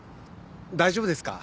大丈夫ですか？